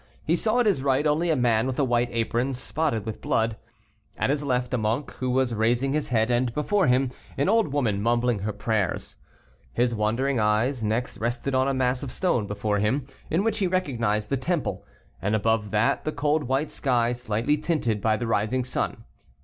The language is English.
He saw at his right only a man with a white apron spotted with blood; at his left, a monk, who was raising his head; and before him, an old woman mumbling her prayers. His wondering eyes next rested on a mass of stone before him, in which he recognized the Temple, and above that, the cold white sky, slightly tinted by the rising sun.